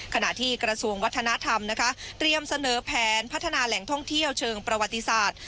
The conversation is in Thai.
ขณะที่กระทรวงวัฒนธรรมนะคะเตรียมเสนอแผนพัฒนาแหล่งท่องเที่ยวเชิงประวัติศาสตร์